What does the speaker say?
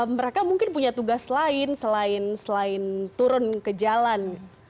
mereka mungkin punya tugas lain selain turun ke jalan